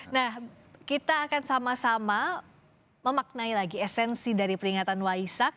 nah kita akan sama sama memaknai lagi esensi dari peringatan waisak